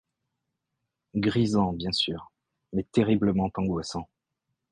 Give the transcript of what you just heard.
Grisant, bien sûr, mais terriblement angoissant.